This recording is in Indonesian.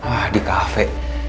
ah di kafe